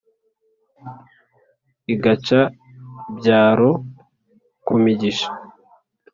igaca ibyaro ku migisha.